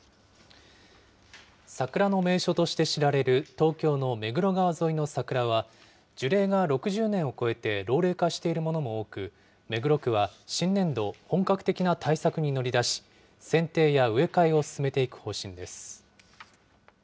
桜の名所として知られる東京の目黒川沿いの桜は、樹齢が６０年を超えて老齢化しているものも多く、目黒区は新年度、本格的な対策に乗り出し、せんていや植え替えを進めていく方針です。